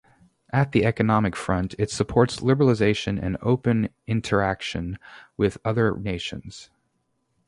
At the economic front, it supports liberalization and open interaction with other nations.